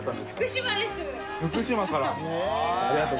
福島から？